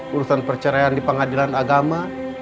urusan perceraian di pengadilan agama